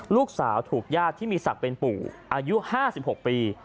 ลูกสาวถูกญาติที่มีศักดิ์เป็นปู่อายุ๕๖ปี